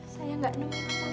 saya gak tau